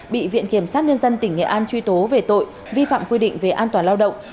bị viện kiểm sát nhân dân tỉnh nghệ an truy tố về tội vi phạm quy định về an toàn lao động